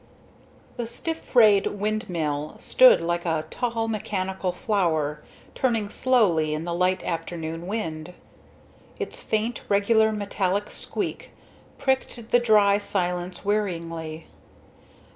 The stiff rayed windmill stood like a tall mechanical flower, turning slowly in the light afternoon wind; its faint regular metallic squeak pricked the dry silence wearingly.